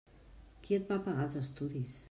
Qui et va pagar els estudis?